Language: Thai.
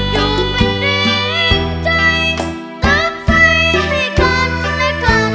อยู่เป็นเรียนใจต้องไฟให้กันในคัน